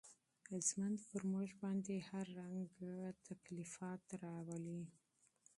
ژوند په موږ باندې ډول ډول کثافات غورځوي.